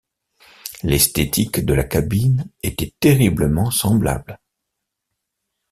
L'esthétique de la cabine était terriblement semblable.